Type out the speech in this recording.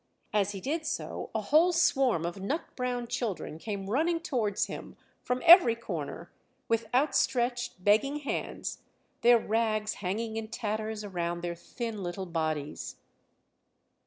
As he did so a whole swarm of nut brown children came running towards him, from every corner, with outstretched, begging hands, their rags hanging in tatters around their thin little bodies.